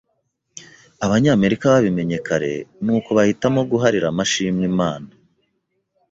Abanyamerika babimenye kare, n’uko bahitamo guharira amashimwe Imana,